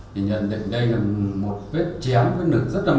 thì nhận định đây là một vết chém vết nực rất là mạnh